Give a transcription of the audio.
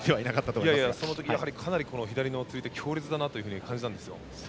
その時、やはり左の釣り手が強烈だったと感じたんですよ。